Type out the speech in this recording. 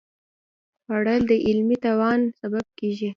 خوړل د علمي توان سبب کېږي